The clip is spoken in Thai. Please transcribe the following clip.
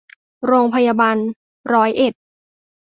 โรงพยาบาลร้อยเอ็ด